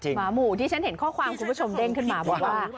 หมาหมู่ที่ฉันเห็นข้อความคุณผู้ชมเด้งขึ้นมาบอกว่า